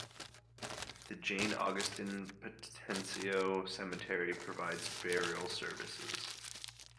The Jane Augustine Patencio Cemetery provides burial services.